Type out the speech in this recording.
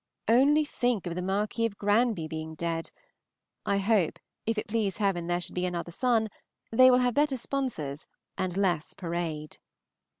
Only think of the Marquis of Granby being dead. I hope, if it please Heaven there should be another son, they will have better sponsors and less parade.